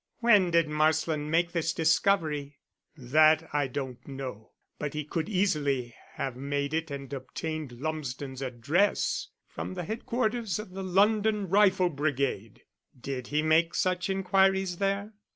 "When did Marsland make this discovery?" "That I don't know. But he could easily have made it and obtained Lumsden's address from the headquarters of the London Rifle Brigade." "Did he make such inquiries there?"